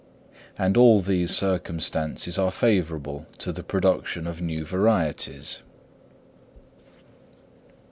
And all these circumstances are favourable to the production of new varieties.